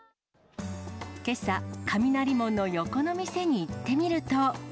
けさ、雷門の横の店に行ってみると。